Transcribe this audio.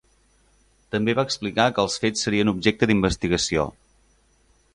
També va explicar que els fets serien objecte d’investigació.